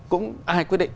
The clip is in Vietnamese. cũng ai quyết định